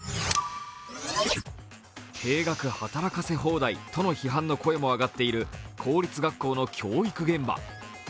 定額働かせ放題との批判の声も上がっている公立学校の教育現場。